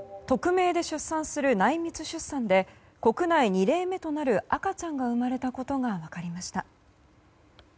匿名で出産する内密出産で国内２例目となる赤ちゃんが生まれたことが分かりました。